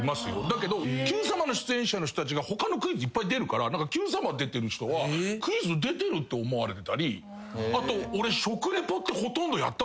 だけど『Ｑさま！！』の出演者の人たちが他のクイズいっぱい出るから『Ｑさま！！』出てる人はクイズ出てるって思われてたりあと俺。